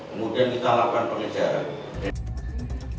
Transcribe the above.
kemudian kita lakukan pengejaran